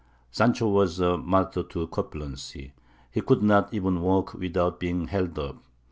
Sancho was a martyr to corpulency; he could not even walk without being held up.